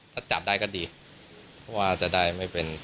ถ้าจับได้ก็ดี